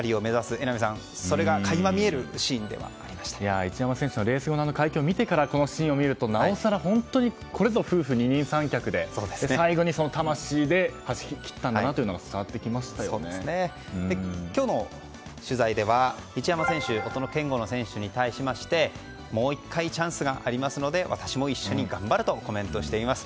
榎並さん、それが垣間見える一山選手のレース後の会見を見てからこのシーンを見ると、なおさら本当に、これぞ夫婦二人三脚で最後に、魂で走り切ったんだなというのが今日の取材では一山選手夫の健吾選手に対してもう１回チャンスがありますので私も一緒に頑張るとコメントしています。